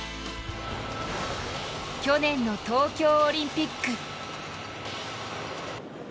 去年の東京オリンピック。